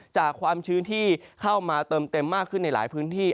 ความชื้นที่เข้ามาเติมเต็มมากขึ้นในหลายพื้นที่